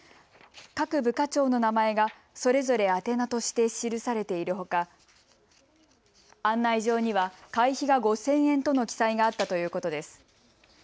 各部課長の名前がそれぞれ宛名として記されているほか案内状には会費が５０００円との記載があったということです。